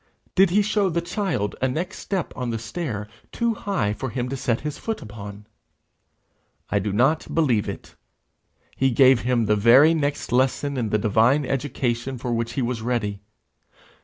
Did he show the child a next step on the stair too high for him to set his foot upon? I do not believe it. He gave him the very next lesson in the divine education for which he was ready.